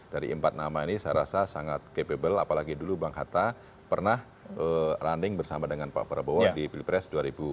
dari empat nama ini saya rasa sangat capable apalagi dulu bang hatta pernah running bersama dengan pak prabowo di pilpres dua ribu sembilan belas